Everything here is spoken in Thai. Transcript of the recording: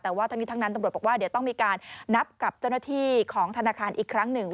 แต่ว่าทั้งนี้ทั้งนั้นตำรวจบอกว่าเดี๋ยวต้องมีการนับกับเจ้าหน้าที่ของธนาคารอีกครั้งหนึ่ง